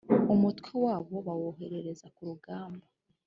umutwe wabo bawoherereza ku rugamba